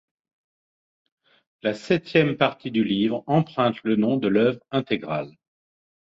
La septième partie du livre emprunte le nom de l'œuvre intégrale.